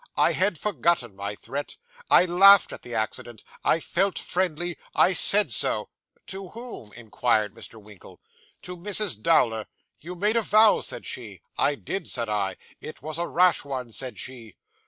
I had forgotten my threat. I laughed at the accident. I felt friendly. I said so.' 'To whom?' inquired Mr. Winkle. 'To Mrs. Dowler. "You made a vow," said she. "I did," said I. "It was a rash one," said she.